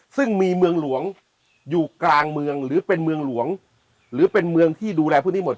ซึ่งมีเมืองหลวงอยู่กลางเมืองหรือเป็นเมืองหลวงหรือเป็นเมืองที่ดูแลพวกนี้หมด